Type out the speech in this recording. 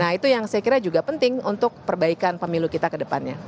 nah itu yang saya kira juga penting untuk perbaikan pemilu kita ke depannya